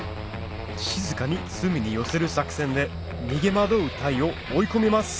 静かに隅に寄せる作戦で逃げ惑う鯛を追い込みます